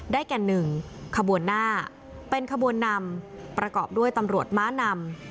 แก่๑ขบวนหน้าเป็นขบวนนำประกอบด้วยตำรวจม้านำ